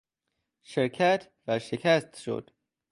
شرکت ورشکست شد.